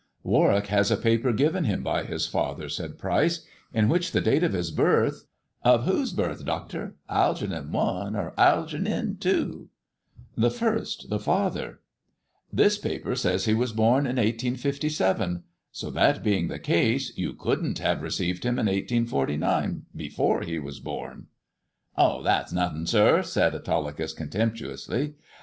"Warwick has a paper given him by his father," said E*ryce, "in which the date of his birth " "Of whose birth, doctor — Algeernon I. or Algeernon EL?" " The first — the father. This paper says he was born in 1857 ; so that being the case you couldn't have received bim in 1849, before he was bom." " Oh, that's nothin', sir," said Autolycus contemptuously.